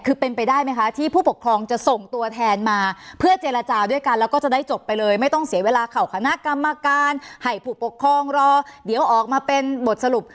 คือเป็นไปได้ไหมคะที่ผู้ปกครองจะส่งตัวแทนมาเพื่อเจรจาด้วยกันแล้วก็จะได้จบไปเลยไม่ต้องเสียเวลาเข่าคณะกรรมการให้ผู้ปกครองรอเดี๋ยวออกมาเป็นบทสรุป